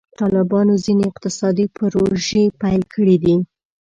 طالبانو ځینې اقتصادي پروژې پیل کړي دي.